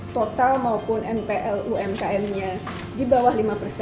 total maupun npl umkm nya di bawah lima persen